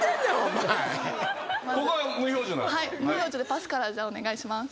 パスからじゃあお願いします。